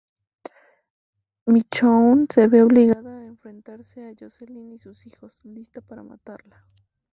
Michonne se ve obligada a enfrentarse a Jocelyn y sus hijos, lista para matarla.